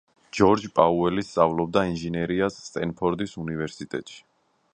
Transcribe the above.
ჯორჯ პაუელი სწავლობდა ინჟინერიას სტენფორდის უნივერსიტეტში.